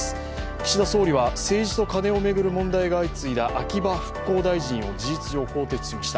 岸田総理は政治とカネを巡る問題が相次いだ秋葉復興大臣を事実上、更迭しました。